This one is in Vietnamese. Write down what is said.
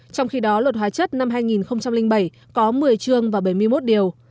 trong khi đó luật hóa chất năm hai nghìn bảy có một mươi chương và bảy mươi một điều